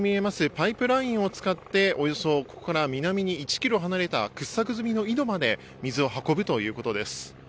パイプラインを使って、およそここから南に１ｋｍ離れた掘削済みの井戸まで水を運ぶということです。